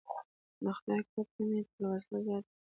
د خدای کور ته مې تلوسه زیاته وه.